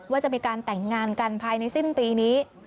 ว่าจะมีการแต่งงานกันภายในสิ้นปีนี้